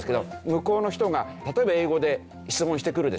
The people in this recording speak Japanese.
向こうの人が例えば英語で質問してくるでしょ。